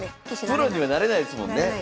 プロにはなれないですもんね。